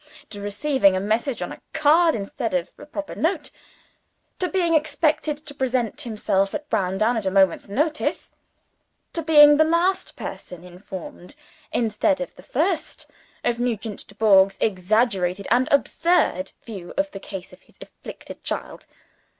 To receiving a message on a card instead of a proper note. To being expected to present himself at Browndown at a moment's notice. To being the last person informed (instead of the first) of Mr. Nugent Dubourg's exaggerated and absurd view of the case of his afflicted child.